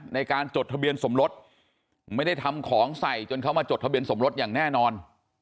ในการจดทะเบียนสมรสไม่ได้ทำของใส่จนเขามาจดทะเบียนสมรสอย่างแน่นอน